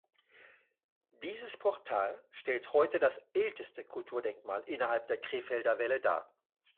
Dieses Portal stellt heute das älteste Kulturdenkmal innerhalb der Krefelder Wälle dar.